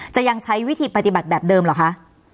จะยังใช้วิธีปฏิบัติแบบเดิมเหรอคะ